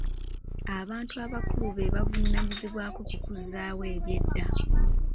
Abantu abakulu be bavunaanyizibwa ku kuzzaawo ebyedda.